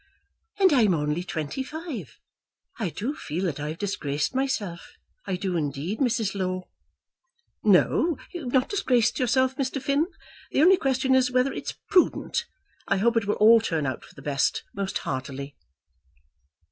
"And I'm only twenty five. I do feel that I've disgraced myself. I do, indeed, Mrs. Low." "No; you've not disgraced yourself, Mr. Finn. The only question is, whether it's prudent. I hope it will all turn out for the best, most heartily."